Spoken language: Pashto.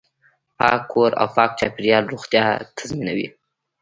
پاک کور او پاک چاپیریال روغتیا تضمینوي.